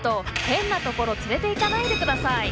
変なところ連れていかないで下さい！